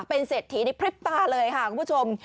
เป็นเศรษฐีในพริบตาเลยค่ะคุณผู้ชม